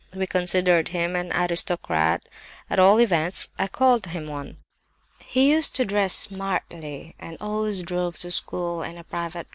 We considered him an aristocrat; at all events I called him one. He used to dress smartly, and always drove to school in a private trap.